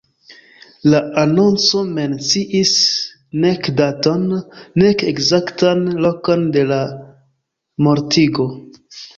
La anonco menciis nek daton, nek ekzaktan lokon de la mortigo.